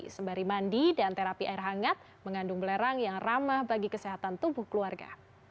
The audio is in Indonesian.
sembari mandi dan terapi air hangat mengandung belerang yang ramah bagi kesehatan tubuh keluarga